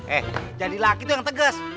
eh jadi laki tuh yang tegas